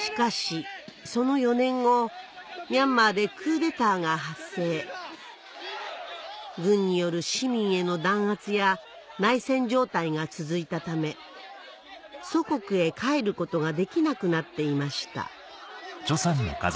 チョさんはしかし軍による市民への弾圧や内戦状態が続いたため祖国へ帰ることができなくなっていました